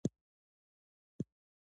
فېلېپ د سیستم څارنه کوي.